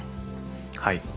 はい。